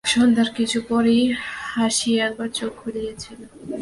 সন্ধ্যার কিছু পরেই হাসি একবার চোখ খুলিয়াছিল।